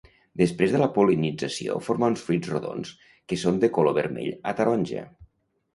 Després de la pol·linització forma uns fruits rodons que són de color vermell a taronja.